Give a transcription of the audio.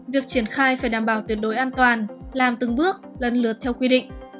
việc triển khai phải đảm bảo tuyệt đối an toàn làm từng bước lần lượt theo quy định